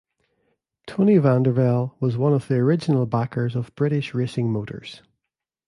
Tony Vandervell was one of the original backers of British Racing Motors.